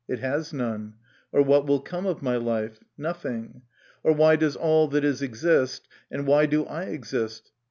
It has none. Or what will come of my life ? Nothing. Or why does all that is exist, and why do I exist?